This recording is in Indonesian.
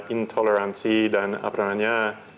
intoleransi dan apa namanya